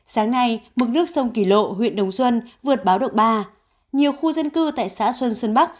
sáng nay mực nước sông kỳ lộ huyện đồng xuân vượt báo động ba nhiều khu dân cư tại xã xuân sơn bắc